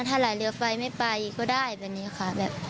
ถ้าไหลเรือไฟไม่ไปก็ได้แบบนี้ค่ะ